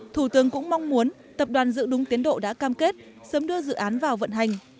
thủ tướng cũng mong muốn tập đoàn giữ đúng tiến độ đã cam kết sớm đưa dự án vào vận hành